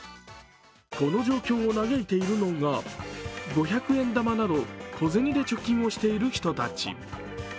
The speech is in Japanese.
この状況を嘆いているのが五百円玉など小銭で貯金をしている人たち。